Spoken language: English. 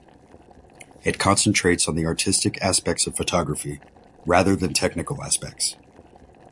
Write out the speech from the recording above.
It concentrates on the artistic aspects of photography, rather than technical aspects.